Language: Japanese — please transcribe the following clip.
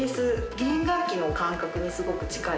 弦楽器の感覚にすごく近い。